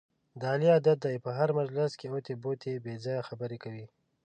د علي عادت دی، په هر مجلس کې اوتې بوتې بې ځایه خبرې کوي.